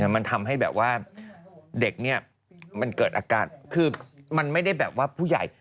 มันทำให้เด็กมันเกิดอากาศคือมันไม่ได้แบบว่าผู้ใหญ่